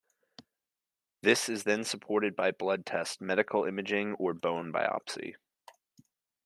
This is then supported by blood tests, medical imaging, or bone biopsy.